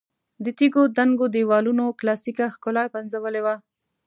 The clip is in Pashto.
د تیږو دنګو دېوالونو کلاسیکه ښکلا پنځولې وه.